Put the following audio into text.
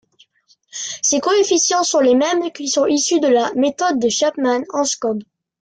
Ces coefficients sont les mêmes que ceux issus de la méthode de Chapman-Enskog.